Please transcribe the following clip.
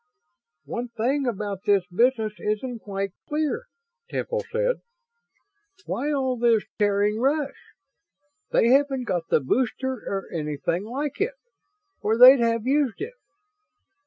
"One thing about this business isn't quite clear," Temple said. "Why all this tearing rush? They haven't got the booster or anything like it, or they'd have used it.